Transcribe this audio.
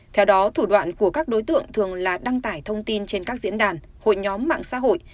theo đó thủ đoạn của các đối tượng thường là đăng tải thông tin trên các diễn đàn hội nhóm mạng xã hội